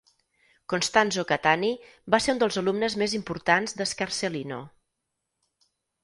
Costanzo Cattani va ser un dels alumnes més importants d'Scarsellino.